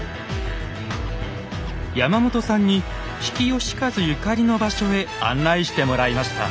山本さんに比企能員ゆかりの場所へ案内してもらいました。